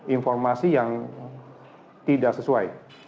informasi yang tidak sesuai